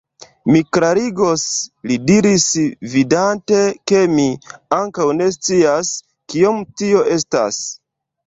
Mi klarigos, li diris, vidante, ke mi ankaŭ ne scias, kiom tio estas.